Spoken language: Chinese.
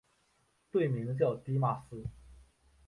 队名叫狄玛斯。